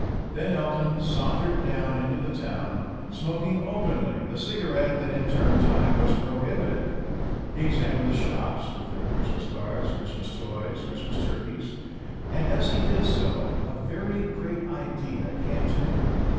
Then Elton sauntered down into the town, smoking openly the cigarette that in term time was prohibited. He examined the shops, with their Christmas cards, Christmas toys, Christmas turkeys. And, as he did so, a very great idea came to him.